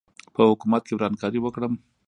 په حکومت کې ورانکاري وکړم.